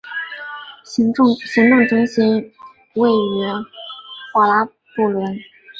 行政中心位于霍拉布伦。